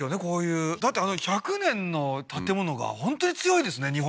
こういうだってあの１００年の建物が本当に強いですね